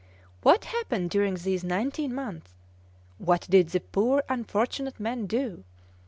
What happened during these nineteen months? What did the poor unfortunate men do?